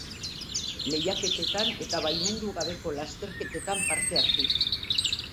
Lehiaketetan eta baimendu gabeko lasterketetan parte hartu.